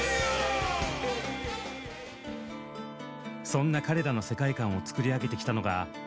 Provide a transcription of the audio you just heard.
そんな彼らの世界観を作り上げてきたのが石井さんです。